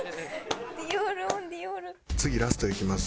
次ラストいきます。